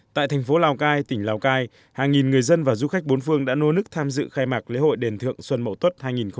tại thành phố lào cai tỉnh lào cai hàng nghìn người dân và du khách bốn phương đã nô nức tham dự khai mạc lễ hội đền thượng xuân mậu tuất hai nghìn một mươi chín